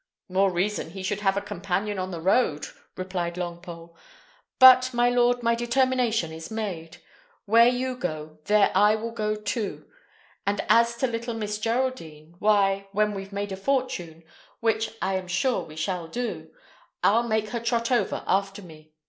"More reason he should have a companion on the road," replied Longpole. "But, my lord, my determination is made. Where you go, there will I go too; and as to little Mistress Geraldine, why, when we've made a fortune, which I am sure we shall do, I'll make her trot over after me.